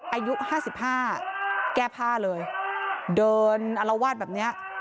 อายุ๕๕แก้พาล่อนเลยเดินอลวาดแบบนี้